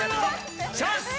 チャンス！